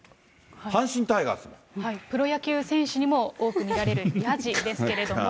プロ野球選手にも多く見られるやじですけれども。